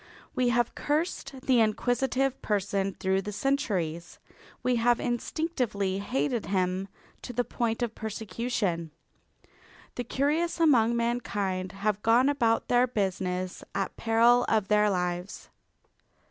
We have cursed the inquisitive person through the centuries. We have instinctively hated him to the point of persecution. The curious among mankind have gone about their business at peril of their lives.